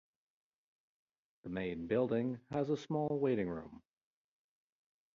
The main building has a small waiting room.